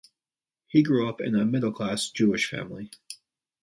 He grew up in a "middle-class Jewish family".